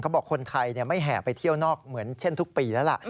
บอกคนไทยไม่แห่ไปเที่ยวนอกเหมือนเช่นทุกปีแล้วล่ะ